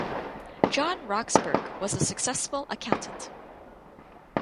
John Roxburgh was a successful accountant.